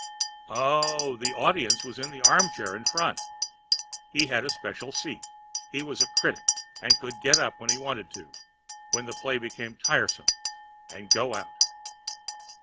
Oh, the Audience was in the arm chair in front. He had a[Pg 750] special seat; he was a critic, and could get up when he wanted to, when the play became tiresome, and go out.